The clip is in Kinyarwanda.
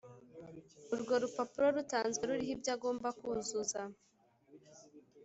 urwo rupapuro rutanzwe ruriho ibyo agomba kuzuza